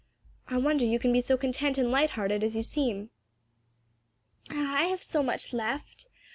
I wonder you can be so content and light hearted as you seem." "Ah, I have so much left!